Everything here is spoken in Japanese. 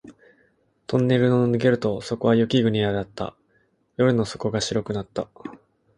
トンネルを抜けるとそこは雪国であった。夜の底が白くなった